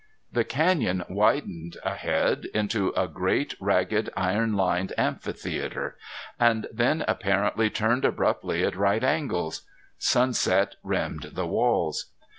The canyon widened ahead into a great ragged iron lined amphitheater, and then apparently turned abruptly at right angles. Sunset rimmed the walls.